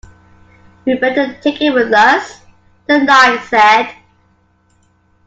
‘We’d better take it with us,’ the Knight said.